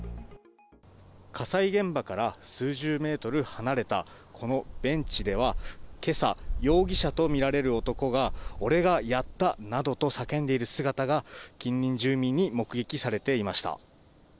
火災現場から数十メートル離れたこのベンチでは、けさ、容疑者と見られる男が、俺がやったなどと叫んでいる姿が、近隣住民に目撃されていました。